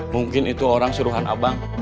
mungkin itu orang suruhan abang